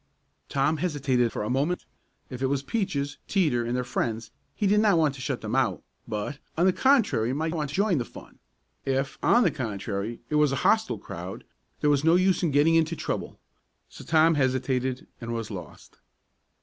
Tom hesitated for a moment. If it was Peaches, Teeter and their friends, he did not want to shut them out, but, on the contrary might want to join the fun. If, on the contrary, it was a hostile crowd there was no use getting into trouble. So Tom hesitated and was lost.